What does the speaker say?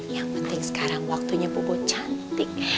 yang penting sekarang waktunya bubu cantik